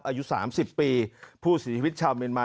อายุ๓๐ปีผู้เสียชีวิตชาวเมียนมา